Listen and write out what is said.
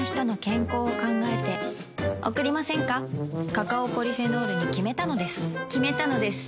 カカオポリフェノールに決めたのです決めたのです。